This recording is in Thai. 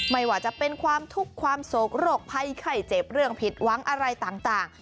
ไม่ว่าจะเป็นความทุกข์ความโศกโรคภัยไข้เจ็บเรื่องผิดหวังอะไรต่าง